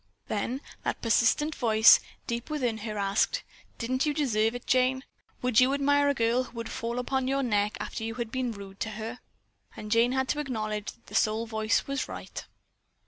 Then that persistent voice, deep within her, asked: "Didn't you deserve it, Jane? Would you admire a girl who would fall upon your neck after you had been rude to her?" And Jane had to acknowledge that the soul voice was right.